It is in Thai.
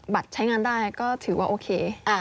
ใช้งานได้ก็ถือว่าโอเค